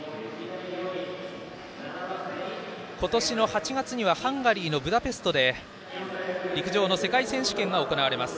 今年の８月にはハンガリーのブダペストで陸上の世界選手権が行われます。